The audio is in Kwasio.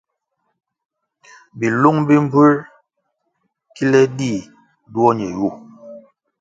Bilung bi mbpuer kile dih duo ñe yu.